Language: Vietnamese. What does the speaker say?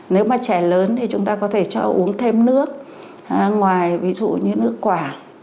nếu mà trẻ lớn thì chúng ta có thể cho uống thêm nước ngoài ví dụ như nước quả